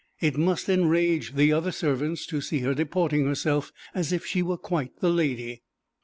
It must enrage the other servants to see her deporting herself as if she were quite the lady.